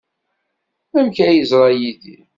Amek ay yeẓra Yidir?